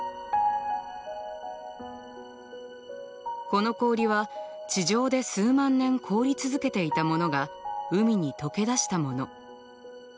この氷は地上で数万年凍り続けていたものが海に解け出したもの。